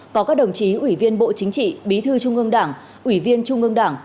có các đồng chí ủy viên bộ chính trị bí thư trung ương đảng ủy viên trung ương đảng